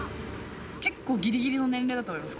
結構ぎりぎりの年齢だと思います。